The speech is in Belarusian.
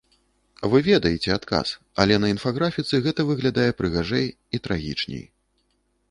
Вы ведаеце адказ, але на інфаграфіцы гэта выглядае прыгажэй і трагічней.